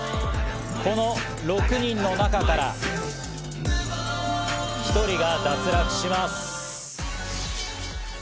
この６人の中から１人が脱落します。